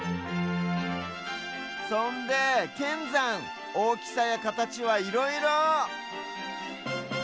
そんでけんざんおおきさやかたちはいろいろ！